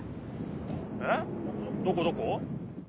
えっどこどこ？